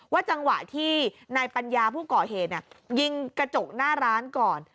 จังหวะที่นายปัญญาผู้ก่อเหตุยิงกระจกหน้าร้านก่อน